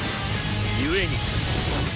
故に。